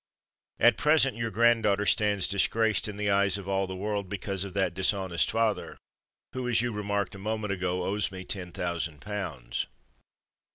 At present your granddaughter stands disgraced in the eyes of all the world, because of that dishonest father, who, as you remarked a moment ago, owes me ten thousand pounds."